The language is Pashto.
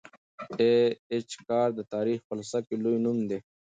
ای اېچ کار د تاریخ په فلسفه کي لوی نوم دی.